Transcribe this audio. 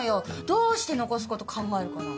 どうして残す事考えるかな。